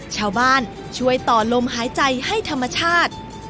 ชาวบ้านช่วยต่อลมหายใจให้ธรรมชาติ